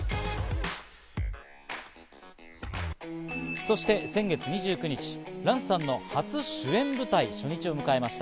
そして先月２９日、ＲＡＮさんの初主演舞台初日を迎えました。